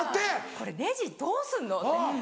これネジどうすんの？って。